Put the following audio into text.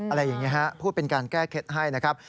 อะไรอย่างนี้ฮะพูดเป็นการแก้เคล็ดให้นะครับ